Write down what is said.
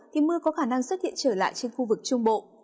thì mưa có khả năng xuất hiện trở lại trên khu vực trung bộ